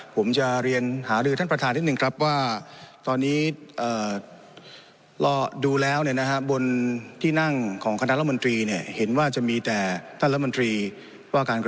ผมจะเรียนหาดือท่านประธานนิดหนึ่งครับว่า